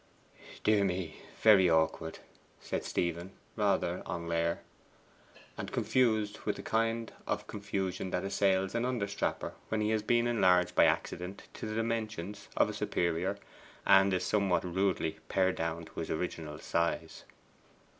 'Dear me very awkward!' said Stephen, rather en l'air, and confused with the kind of confusion that assails an understrapper when he has been enlarged by accident to the dimensions of a superior, and is somewhat rudely pared down to his original size.